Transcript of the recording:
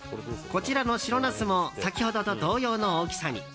こちらの白ナスも先ほどと同様の大きさに。